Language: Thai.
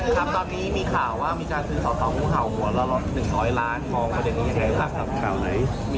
เป็นอะไรไม่รู้ที่มีสองเขา